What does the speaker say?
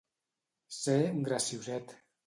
Ser un gracioset.